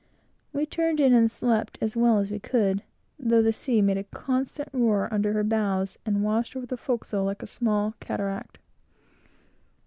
We turned in and slept as well as we could, though the sea made a constant roar under her bows, and washed over the forecastle like a small cataract.